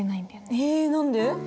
え何で？